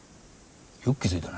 よく気付いたな。